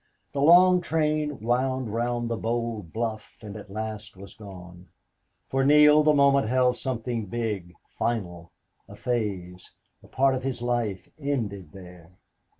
The long train wound round the bold bluff and at last was gone. For Neale the moment held something big, final. A phase a part of his life ended there.